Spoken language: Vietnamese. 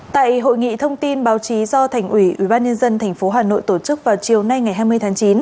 tại hội nghị thông tin báo chí do thành ủy ubnd tp hà nội tổ chức vào chiều nay ngày hai mươi tháng chín